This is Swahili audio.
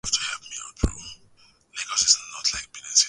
mizizi ya viazi lishe huliwa kama chakula